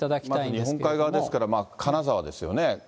日本海側ですから、金沢ですよね。